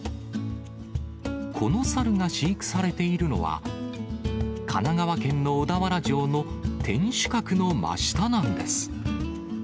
このサルが飼育されているのは、神奈川県の小田原城の天守閣の真下なんです。